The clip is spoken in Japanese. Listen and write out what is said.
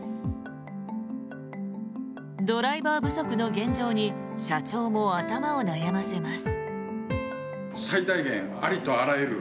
ドライバー不足の現状に社長も頭を悩ませます。